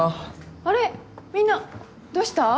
あれみんなどうした？